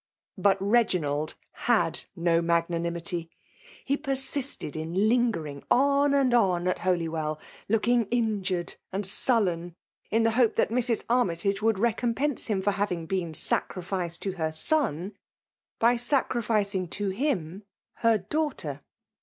But Reginald had no magnanitnSfyr Hcperaisted in lingering on aiid on atltoly^ weU, Tooking injured and sullen, in the hope that Mrs. Armytage would recompense him for laving been sacrificed to her son, by sacri ficing to him her daughter.